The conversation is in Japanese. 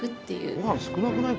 ご飯少なくない？